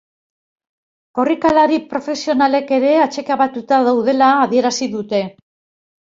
Korrikalari profesionalek ere atsekabetuta daudela adierazi dute.